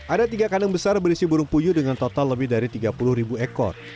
ada tiga kandang besar berisi burung puyuh dengan total lebih dari tiga puluh ribu ekor